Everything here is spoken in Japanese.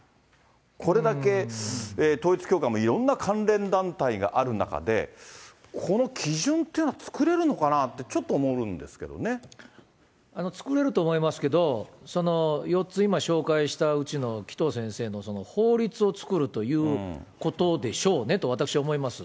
これだけ統一教会もいろんな関連団体がある中で、この基準っていうのは作れるのかなと、作れると思いますけど、４つ、今紹介したうちの紀藤先生の法律を作るということでしょうねと、私は思います。